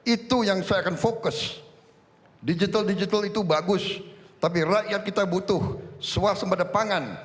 itu yang saya akan fokus digital digital itu bagus tapi rakyat kita butuh swasembada pangan